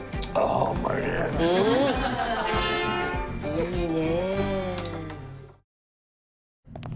いいね！